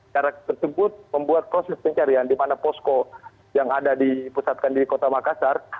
karena tersebut membuat proses pencarian di mana posko yang ada dipusatkan di kota makassar